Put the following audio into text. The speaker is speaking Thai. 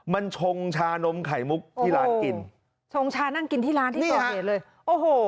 มันชงชานมไข่มุกที่ร้านกินชงชานั่งกินที่ร้านที่ก่อเหตุเลยโอ้โห